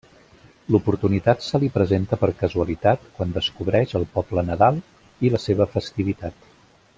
L'oportunitat se li presenta per casualitat quan descobreix el poble Nadal i la seva festivitat.